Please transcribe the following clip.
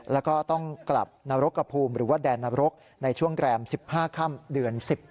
แล้วก็ต้องกลับนรกกระภูมิหรือว่าแดนนรกในช่วงแรม๑๕ค่ำเดือน๑๐